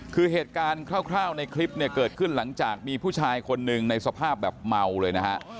คือเหตุการณ์คร่าวในคลิปเนี่ยเกิดขึ้นหลังจากมีผู้ชายคนหนึ่งในสภาพแบบเมาเลยนะฮะ